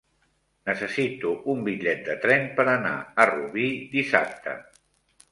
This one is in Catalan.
Necessito un bitllet de tren per anar a Rubí dissabte.